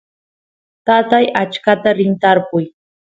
tatay achkata rin tarpuy